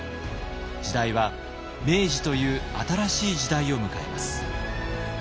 時代は明治という新しい時代を迎えます。